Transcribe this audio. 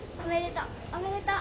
おめでとう。